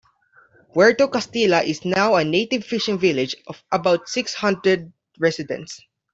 Puerto Castilla is now a native fishing village of about six hundred residents.